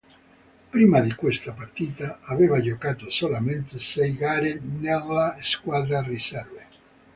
Prima di questa partita aveva giocato solamente sei gare nella squadra riserve.